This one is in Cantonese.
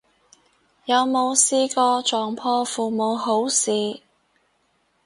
有冇試過撞破父母好事